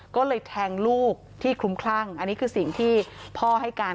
ก็เลยแทงลูกที่คลุมคลั่งอันนี้คือสิ่งที่พ่อให้การ